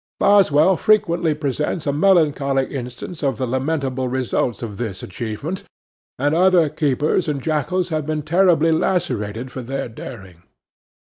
Boswell frequently presents a melancholy instance of the lamentable results of this achievement, and other keepers and jackals have been terribly lacerated for their daring.